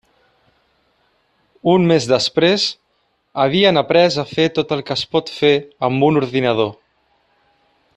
Un mes després, havien après a fer tot el que es pot fer amb un ordinador.